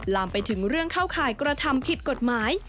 ลามไปถึงเรื่องเข้าข่ายกระทำผิดกฎหมาย